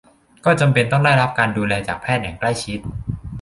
ก็จำเป็นต้องได้รับการดูแลจากแพทย์อย่างใกล้ชิด